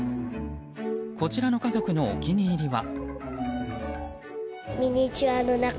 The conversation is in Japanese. こちらの家族のお気に入りは。